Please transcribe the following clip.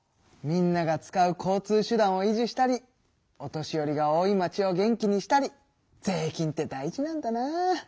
みんなが使う交通手段を維持したりお年寄りが多い町を元気にしたり税金って大事なんだな！